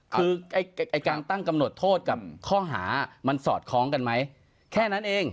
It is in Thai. คือการตั้งกำหนดโทษกับข้อหามันสอดคล้องกันไหมแค่นั้นเอง